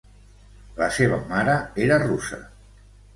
La seva mare era russa.